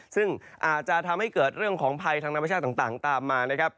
ซึ่งอาจจะทำให้เกิดเรื่องของภัยทางธรรมชาติต่างตามมานะครับ